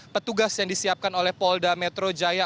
petugas yang disiapkan oleh polda metro jaya